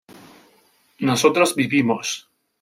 nosotros vivimos